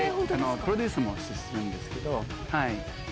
プロデュースもしてるんです